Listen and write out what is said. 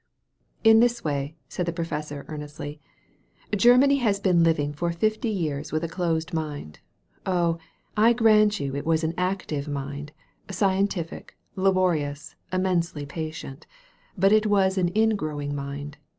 ''In this way," said the professor earnestly. Germany has been living for fifty years with a closed mind. Oh, I grant you it was an active mind, scientific, laborious, inmiensely patient. But it was an ingrowing mind.